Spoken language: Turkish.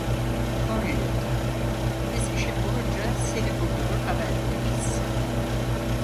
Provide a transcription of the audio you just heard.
Konya’ya dön, biz işin olunca seni buldurur, haber veririz.